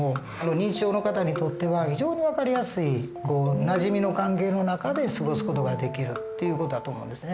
認知症の方にとっては非常に分かりやすいなじみの関係の中で過ごす事ができるっていう事だと思うんですね。